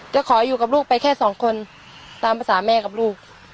จะขออยู่กับลูกไปแค่สองคนตามภาษาแม่กับลูก